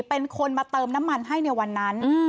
เป็นคนมาเติมน้ำมันให้ในวันนั้น